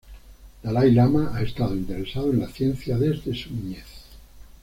Dalai Lama ha estado interesado en la ciencia desde su niñez.